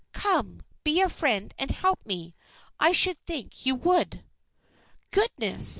"Come! be a friend and help me. I should think you would." "Goodness!